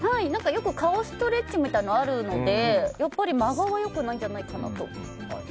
よく顔ストレッチみたいなのがあるのでやっぱり、真顔は良くないんじゃないかなと。